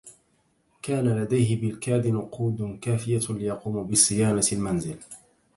كان لديه بالكاد نقود كافية ليقوم بصيانة المنزل.